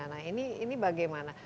nah ini bagaimana